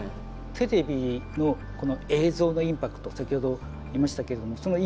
テレビのこの映像のインパクト先ほど言いましたけれどもそのインパクトが大きい。